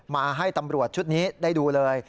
มาให้ตำรวจชุดนี้ได้ดูเลย